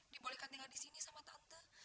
dibolehkan tinggal disini sama tante